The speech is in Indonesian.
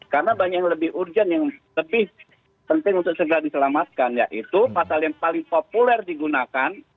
karena banyak yang lebih urgent yang lebih penting untuk segera diselamatkan yaitu pasal yang paling populer digunakan